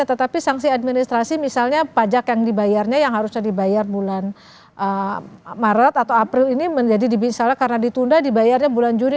tetapi sanksi administrasi misalnya pajak yang dibayarnya yang harusnya dibayar bulan maret atau april ini menjadi misalnya karena ditunda dibayarnya bulan juli